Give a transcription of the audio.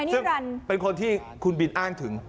ซึ่งเป็นคนที่คุณบินอ้างถึง